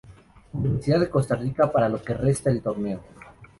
Universidad de Costa Rica para lo que resta el torneo.